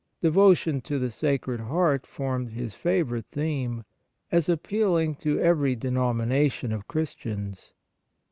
Devotion to the Sacred Heart formed his favourite theme, as appealing to every denomination of Chris tians.